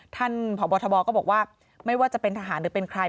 ท่านพบทบก็บอกว่าไม่ว่าจะเป็นทหารหรือเป็นใคร